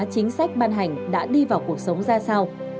chính sách ban hành đã đi vào cuộc sống ra sao